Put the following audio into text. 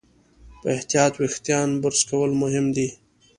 په احتیاط وېښتيان برس کول مهم دي.